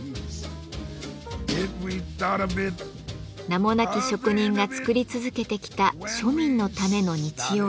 名もなき職人が作り続けてきた庶民のための日用品。